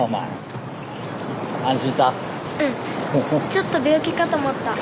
ちょっと病気かと思った。